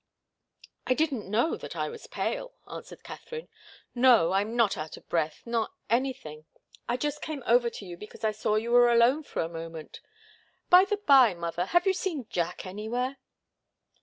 "I didn't know that I was pale," answered Katharine. "No, I'm not out of breath nor anything. I just came over to you because I saw you were alone for a moment. By the bye, mother, have you seen Jack anywhere?"